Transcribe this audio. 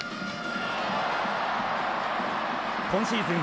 今シーズン